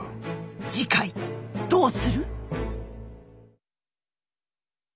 次回どうする？